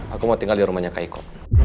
aku mau tinggal di rumahnya kak iko